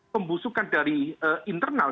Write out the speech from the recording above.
pembusukan dari internal